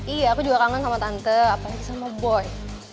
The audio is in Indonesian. iya aku juga kangen sama tante apalagi sama boy